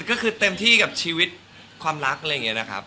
ก็คือเต็มที่กับชีวิตความรักอะไรอย่างนี้นะครับ